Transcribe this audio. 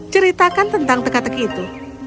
ceritakan tentang teka teki itu